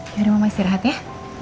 biar mama isi rahat ya